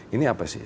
ini apa sih